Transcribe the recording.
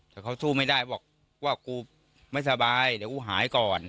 แต่เขาสู้ไม่ได้บอกว่ากูไม่สบายเดี๋ยวกูหายก่อน